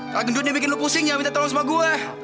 kalau gendut dia bikin lo pusing ya minta tolong sama gue